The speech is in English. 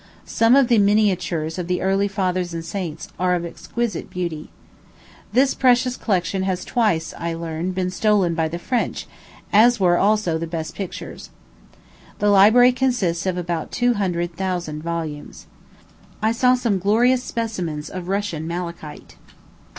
Some of the miniatures of the early fathers and saints are of exquisite beauty. This precious collection has twice, I learn, been stolen by the French, as were also the best pictures. The library consists of about two hundred thousand volumes. I saw some glorious specimens of Russian malachite.